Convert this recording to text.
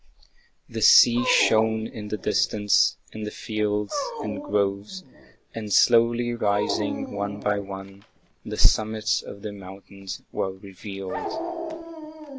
The sea shone in the distance, and the fields And groves; and slowly rising, one by one, The summits of the mountains were revealed.